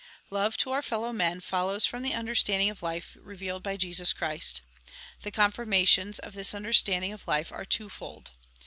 Love to our fellow men follows from the under standing of life revealed by Jesus Christ. The confirmations of this understanding of life are two fold.